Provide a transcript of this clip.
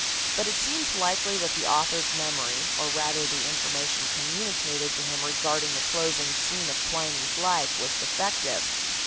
But it seems likely that the author's memory, or rather the information communicated to him regarding the closing scene of Pliny's life, was defective.